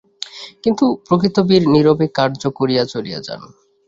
কিন্তু প্রকৃত বীর নীরবে কার্য করিয়া চলিয়া যান।